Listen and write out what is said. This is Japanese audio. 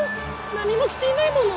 なにもきていないもの」。